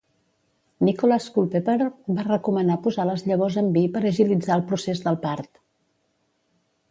Nicholas Culpeper va recomanar posar les llavors en vi per agilitzar el procés del part.